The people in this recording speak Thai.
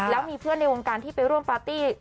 แล้วมีเพื่อนในวงการที่ไปร่วมปาร์ตี้